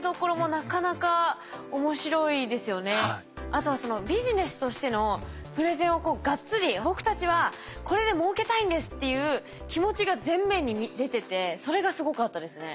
あとはそのビジネスとしてのプレゼンをこうがっつり僕たちはこれでもうけたいんですっていう気持ちが前面に出ててそれがすごかったですね。